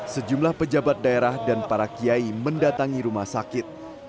sejumlah pejabat daerah dan para kiai mendatangi rumah sakit